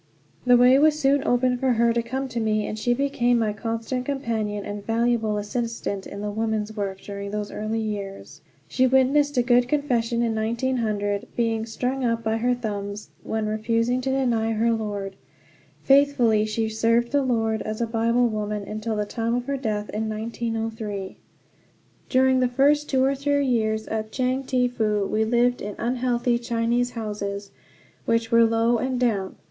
The way was soon opened for her to come to me, and she became my constant companion and valuable assistant in the women's work during those early years. She witnessed a good confession in 1900 being strung up by her thumbs when refusing to deny her Lord. Faithfully she served the Lord as a Bible woman, until the time of her death in 1903. During the first two or three years at Chang Te Fu we lived in unhealthy Chinese houses, which were low and damp.